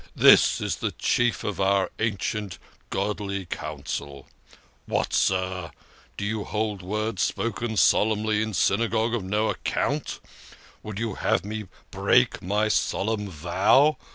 " This is the chief of our ancient, godly Council ! What, sir ! Do you hold words spoken solemnly in Synagogue of no account? Would you have me break my solemn vow?